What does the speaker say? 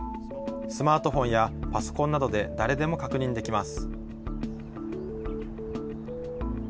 スマートフォンやパソコンなどで誰でも確認できます。